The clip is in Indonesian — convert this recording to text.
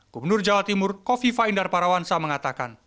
gubernur jawa timur kofifa indar parawansa mengatakan